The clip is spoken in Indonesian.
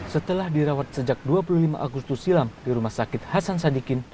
setelah dirawat sejak dua puluh lima agustus silam di rumah sakit hasan sadikin